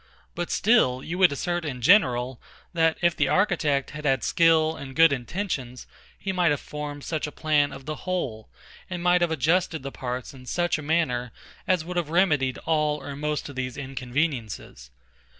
But still you would assert in general, that, if the architect had had skill and good intentions, he might have formed such a plan of the whole, and might have adjusted the parts in such a manner, as would have remedied all or most of these inconveniences.